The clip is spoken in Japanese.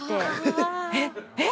えっえっ？